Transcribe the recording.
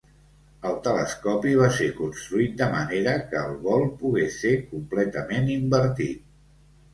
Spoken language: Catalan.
El telescopi va ser construït de manera que el bol pogués ser completament invertit.